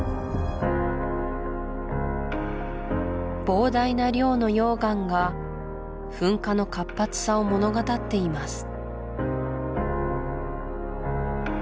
膨大な量の溶岩が噴火の活発さを物語っています